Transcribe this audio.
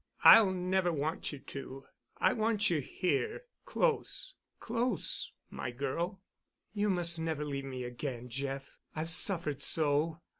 "I'll never want you to. I want you here—close—close—my girl." "You must never leave me again, Jeff—I've suffered so."